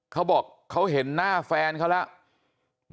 เขาบอกเขาเห็นหน้าแฟนเขาแล้ว